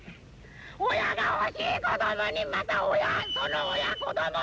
親が欲しい子どもにまた親その親子ども。